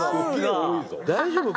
大丈夫？